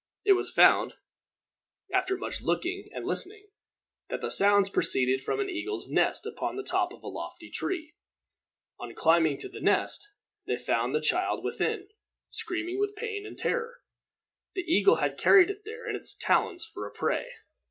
It was found, after much looking and listening, that the sounds proceeded from an eagle's nest upon the top of a lofty tree. On climbing to the nest, they found the child within, screaming with pain and terror. The eagle had carried it there in its talons for a prey.